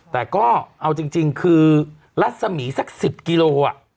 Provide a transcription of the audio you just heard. แต่ก็เอาจริงคือรัศมีสัก๑๐กิโล